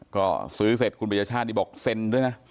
ก็ซื้อเสร็จคุณประยาชาติบอกเซนด์ด้วยนะ